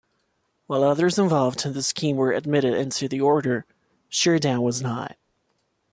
While others involved in the scheme were admitted into the order, Sheardown was not.